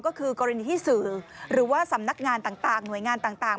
ก็คือกรณีที่สื่อหรือว่าสำนักงานต่างหน่วยงานต่าง